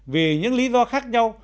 vì những lý do khác nhau